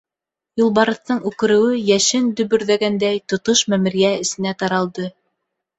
Юлбарыҫтың үкереүе йәшен дөбөрҙәгәндәй тотош мәмерйә эсенә таралды.